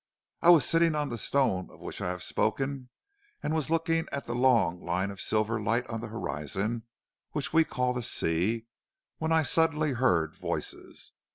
I was sitting on the stone of which I have spoken, and was looking at the long line of silver light on the horizon which we call the sea, when I suddenly heard voices.